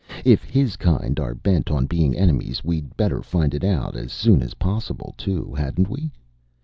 If his kind are bent on being enemies, we'd better find it out as soon as possible, too, hadn't we?